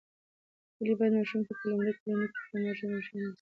ولې باید ماشوم ته په لومړیو کلونو کې په مورنۍ ژبه ښوونه وسي؟